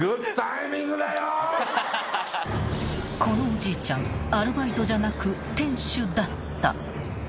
［このおじいちゃんアルバイトじゃなく店主だった］